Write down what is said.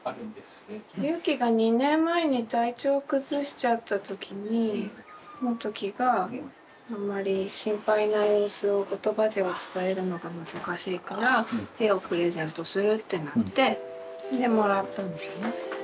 結輝が２年前に体調崩しちゃった時に志基があんまり心配な様子を言葉では伝えるのが難しいから絵をプレゼントするってなってでもらったんだよね。